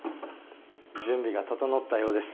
準備が整ったようです。